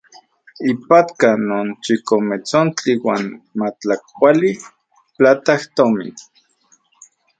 Ipatka non chikometsontli uan matlakpoali platajtomin.